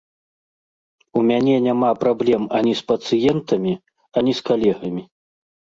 У мяне няма праблем ані з пацыентамі, ані з калегамі.